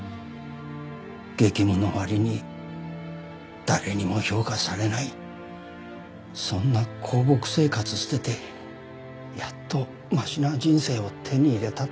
激務の割に誰にも評価されないそんな公僕生活捨ててやっとマシな人生を手に入れたと思った。